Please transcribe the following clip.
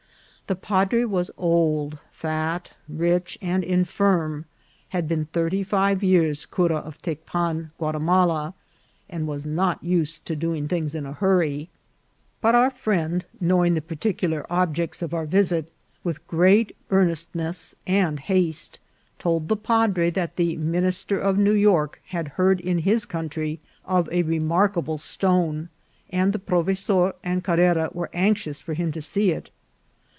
The padre was old, fat, rich, and infirm, had been thirty five years cura of Tecpan Guatimala, and was not used to doing things in a hurry ; but our friend, knowing the 148 INCIDENTS OF TRAVEL. particular objects of our visit, with great earnestness and haste told the padre that the minister of New York had heard in his country of a remarkable stone, and the provesor and Carrera were anxious for him to see it.